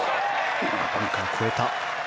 バンカー越えた。